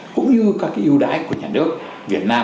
cũng như các cái ưu đãi của nhà nước việt nam